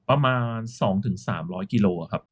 ประมาณ๒๓๐๐กิโลครับ